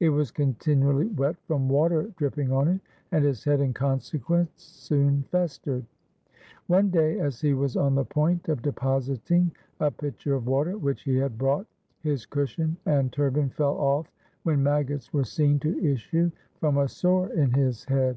It was continually wet from water dripping on it, and his head in consequence soon festered. One day as he was on the point of depositing a pitcher of water which he had brought, his cushion and turban fell off when maggots were seen to issue from a sore in his head.